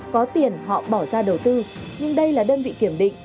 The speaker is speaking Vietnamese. có tiền họ bỏ ra đầu tư nhưng đây là đơn vị kiểm định